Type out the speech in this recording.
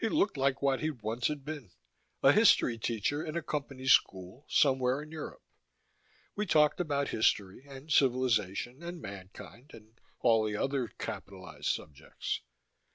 He looked like what he once had been: a history teacher in a Company school, somewhere in Europe. We talked about History, and Civilization, and Mankind, and all the other capitalized subjects.